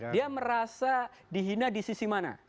dia merasa dihina di sisi mana